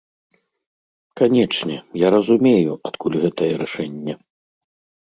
Канечне, я разумею, адкуль гэтае рашэнне.